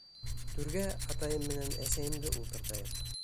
Түргә атайым менән әсәйемде ултыртайыҡ.